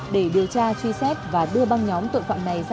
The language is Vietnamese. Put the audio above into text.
để điều tra truy xét và đưa băng nhóm tội phạm này ra